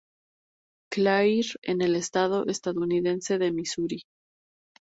Clair en el estado estadounidense de Misuri.